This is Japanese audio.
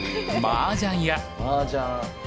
マージャン。